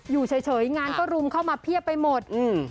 อยู่เฉยงานก็รุมเข้ามาเพียบไปหมดอืม